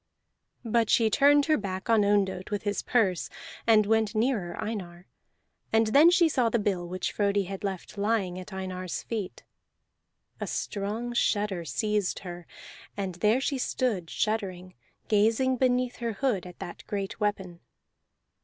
But she turned her back on Ondott with his purse, and went nearer Einar; and then she saw the bill which Frodi had left lying at Einar's feet. A strong shudder seized her, and there she stood shuddering, gazing beneath her hood at that great weapon.